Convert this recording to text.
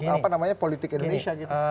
apa namanya politik indonesia gitu